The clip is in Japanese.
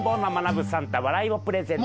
サンタ笑いをプレゼント。